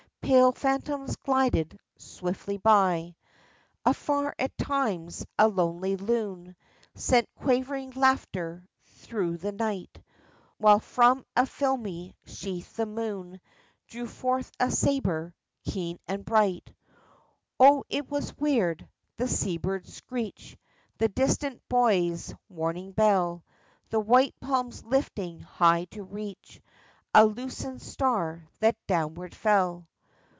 Pale phantoms glided swiftly by. THE FISHERMAN'S STORY Afar, at times, a lonely loon Sent quavering laughter through the night, While from a filmy sheath the moon Drew forth a sabre, keen and bright. Oh, it was weird !— the seabird's screech, The distant buoy's warning bell, The white palms lifting high to reach A loosened star that downward fell